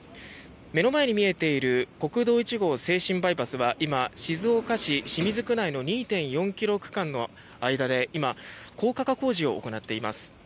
目の前に見えている国道１号静清バイパスは今、静岡市清水区内の２．４ｋｍ区間の間で今、高架化工事を行っています。